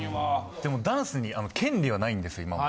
でもダンスに権利はないんです今も。